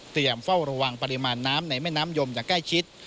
เฝ้าระวังปริมาณน้ำในแม่น้ำยมอย่างใกล้ชิด